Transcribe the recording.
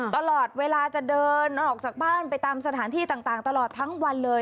ตลอดเวลาจะเดินออกจากบ้านไปตามสถานที่ต่างตลอดทั้งวันเลย